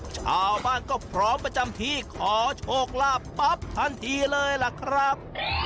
ชาวบ้านก็พร้อมประจำที่ขอโชคลาภปั๊บทันทีเลยล่ะครับ